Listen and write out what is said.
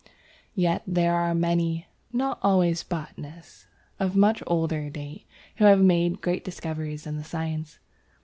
Yet there were many, not always botanists, of much older date, who made great discoveries in the science.